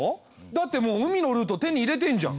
だってもう海のルート手に入れてんじゃん。